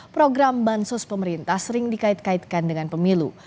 program bansos pemerintah sering dikait kaitkan dengan pemilu